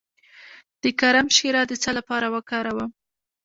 د کرم شیره د څه لپاره وکاروم؟